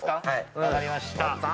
分かりました。